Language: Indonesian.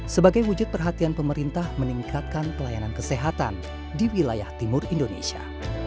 sebagai wujud perhatian pemerintah meningkatkan pelayanan kesehatan di wilayah timur indonesia